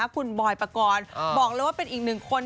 คุณบอยปกรณ์บอกเลยว่าเป็นอีกหนึ่งคน